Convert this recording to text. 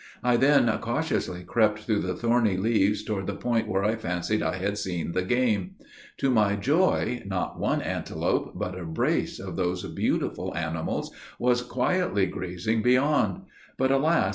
I then cautiously crept through the thorny leaves toward the point where I fancied I had seen the game. To my joy, not one antelope, but a brace of those beautiful animals, was quietly grazing beyond; but alas!